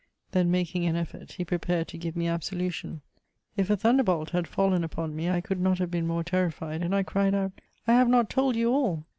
Then, making an effort, he pre pared to give me absolution. If a thunderbolt had fallen upon me, I could not have been more terrified ; and I cried out, " I have not told you all